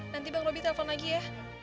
nanti bang robi telpon lagi ya